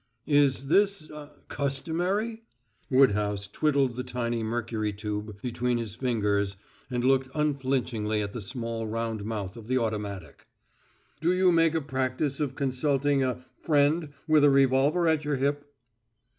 "Is this ah, customary?" Woodhouse twiddled the tiny mercury tube between his fingers and looked unflinchingly at the small round mouth of the automatic. "Do you make a practise of consulting a friend with a revolver at your hip?"